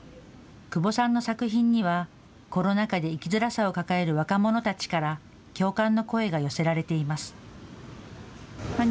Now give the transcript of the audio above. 窪さんの作品にはコロナ禍で生きづらさを抱える若者たちから共感の声が寄せられています。